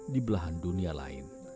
di belahan dunia lain